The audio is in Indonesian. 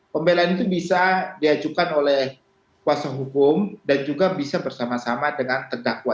pembelaan itu bisa diajukan oleh kuasa hukum dan juga bisa bersama sama dengan terdakwa